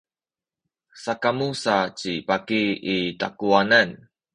sakamu sa ci baki i takuwanan.